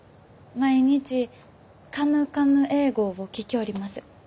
毎日「カムカム英語」を聴きょおります。